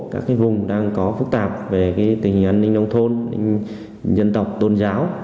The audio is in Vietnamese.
các vùng đang có phức tạp về tình hình an ninh nông thôn dân tộc tôn giáo